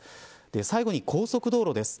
最後に高速道路です。